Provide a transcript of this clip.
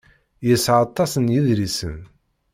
Yesεa aṭas n yedlisen.